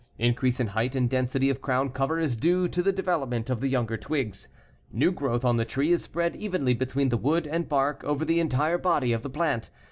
Increase in height and density of crown cover is due to the development of the younger twigs. New growth on the tree is spread evenly between the wood and bark over the entire body of the plant.